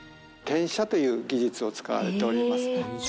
転写という技術を使われております。